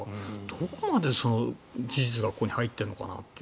どこまで事実がここに入っているのかなって。